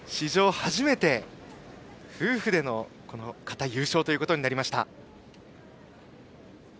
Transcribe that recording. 初めて夫婦での形、優勝となりました。